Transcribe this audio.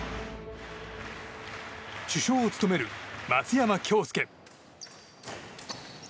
主将を務める松山恭助。